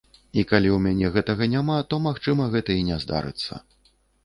А калі ў мяне гэтага няма, то, магчыма, гэта і не здарыцца.